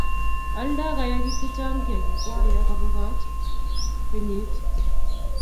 aldoi kayokik che chang' kiagik kwak ya kabekoto kenyit